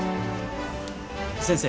先生。